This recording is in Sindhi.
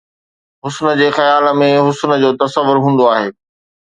حُسن جي خيال ۾ حسن جو تصور هوندو آهي